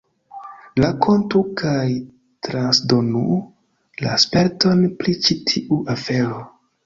Rakontu kaj transdonu la sperton pri ĉi tiu afero.